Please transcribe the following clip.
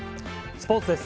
スポーツです。